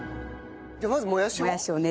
じゃあまずもやしを。